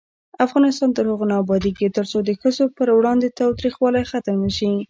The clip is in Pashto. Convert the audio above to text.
افغانستان تر هغو نه ابادیږي، ترڅو د ښځو پر وړاندې تاوتریخوالی ختم نشي.